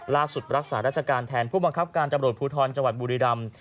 ล่าสุดรักษารักษาการแทนผู้บังคับการจำรวจพูทธรจังหวัดบุริรรม